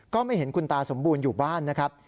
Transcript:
ก็ไม่เห็นคุณตาสมบูรณ์อยู่บ้านนะครับ